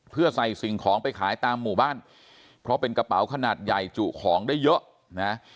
เพื่อใส่สิ่งของไปขายตามหมู่บ้านเพราะเป็นกระเป๋าขนาดใหญ่จุของได้เยอะนะ